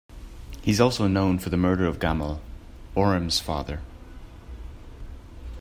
He is also known for the murder of Gamal, Orm's father.